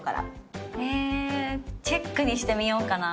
ええチェックにしてみようかな。